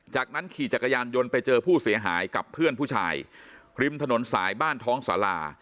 จากนั้นขี่จักรยานยนต์ไปเจอผู้เสียหายกับเพื่อนผู้ชายริมถนนสายบ้านท้องศาลา